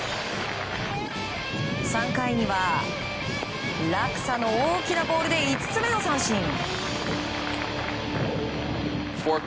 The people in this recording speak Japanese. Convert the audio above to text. ３回には落差の大きなボールで５つ目の三振。